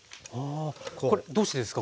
おこれどうしてですか？